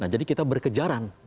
jadi kita berkejaran